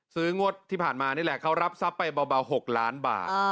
งวดที่ผ่านมานี่แหละเขารับทรัพย์ไปเบา๖ล้านบาท